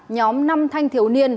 nhóm năm thanh thiếu niên